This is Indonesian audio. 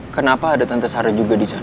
kenapa ada tante sari juga di sana